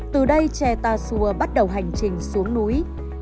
từ đây chè tà xùa bắt đầu hành trình xuống núi